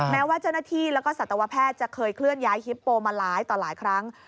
แม้ว่าเจ้าหน้าที่แล้วก็สัตวแพทย์จะเคยเคลื่อนย้ายฮิปโปมาหลายต่อหลายครั้ง